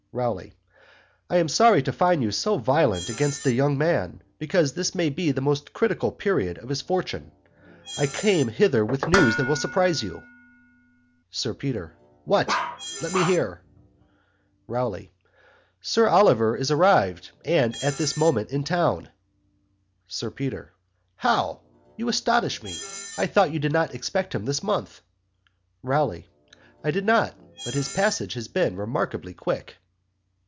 ROWLEY. I am sorry to find you so violent against the young man because this may be the most critical Period of his Fortune. I came hither with news that will surprise you. SIR PETER. What! let me hear ROWLEY. Sir Oliver is arrived and at this moment in Town. SIR PETER. How! you astonish me I thought you did not expect him this month! ROWLEY. I did not but his Passage has been remarkably quick.